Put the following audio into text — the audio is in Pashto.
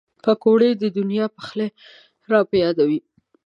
پکورې د نیا پخلی را په یادوي